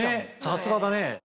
さすがだね！